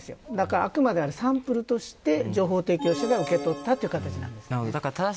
あくまでサンプルとして情報提供資材を受け取ったという形です。